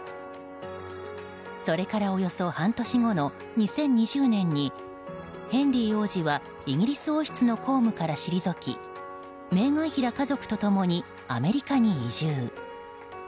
それからおよそ半年後の２０２０年にヘンリー王子はイギリス王室の公務から退きメーガン妃ら家族と共にアメリカに移住。